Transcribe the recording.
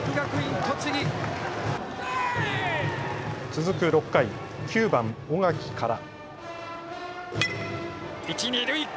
続く６回、９番・小垣から。